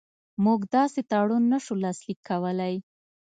موږ داسې تړون نه شو لاسلیک کولای.